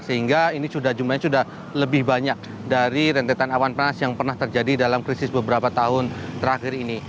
sehingga ini jumlahnya sudah lebih banyak dari rentetan awan panas yang pernah terjadi dalam krisis beberapa tahun terakhir ini